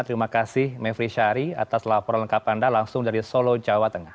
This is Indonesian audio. terima kasih mevri syari atas laporan lengkap anda langsung dari solo jawa tengah